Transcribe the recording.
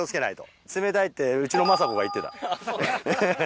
冷たいってうちの昌子が言ってた。